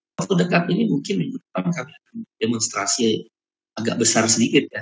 waktu dekat ini mungkin minggu depan karena demonstrasi agak besar sedikit ya